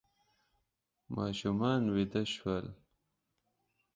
ماشومان ویده شول.